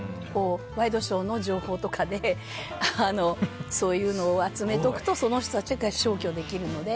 ワイドショーの情報とかでそういうのを集めておくとその人たちが消去できるので。